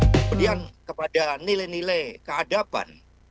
kemudian kepada nilai nilai keadaban